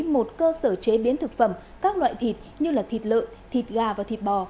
một cơ sở chế biến thực phẩm các loại thịt như thịt lợn thịt gà và thịt bò